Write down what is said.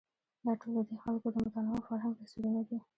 دا ټول ددې خلکو د متنوع فرهنګ تصویرونه دي.